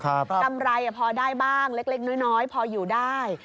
กำไรพอได้บ้างเล็กน้อยพออยู่ได้